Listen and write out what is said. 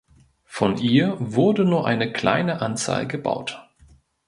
Von ihr wurde nur eine kleine Anzahl gebaut.